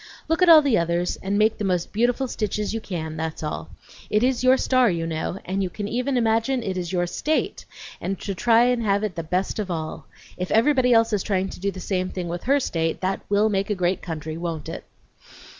"Look at all the others and make the most beautiful stitches you can, that's all. It is your star, you know, and you can even imagine it is your state, and try and have it the best of all. If everybody else is trying to do the same thing with her state, that will make a great country, won't it?"